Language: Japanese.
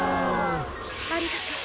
ありがとう。